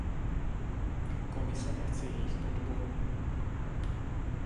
Komise nechce jejich podporu.